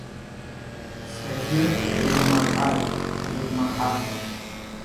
Саӷьын ирмаҳаит, ирмаҳа!